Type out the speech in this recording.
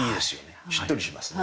しっとりしますね。